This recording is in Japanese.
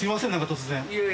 突然。